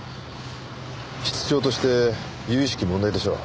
室長として由々しき問題でしょう。